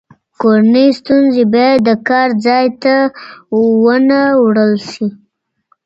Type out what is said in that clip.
کورنۍ ستونزې باید د کار ځای ته ونه وړل شي.